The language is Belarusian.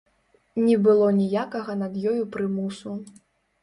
Не было ніякага над ёю прымусу.